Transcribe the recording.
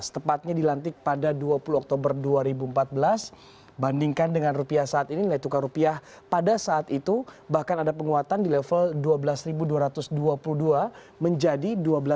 tepatnya dilantik pada dua puluh oktober dua ribu empat belas bandingkan dengan rupiah saat ini nilai tukar rupiah pada saat itu bahkan ada penguatan di level dua belas dua ratus dua puluh dua menjadi dua belas